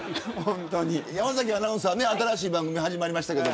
山崎アナウンサー新しい番組が始まりました。